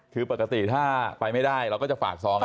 คือปกติถ้าไปไม่ได้เราก็จะฝากซอง